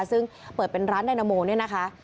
ซึ่งเปิดเป็นร้านไดนาโมเนี่ยนะคะ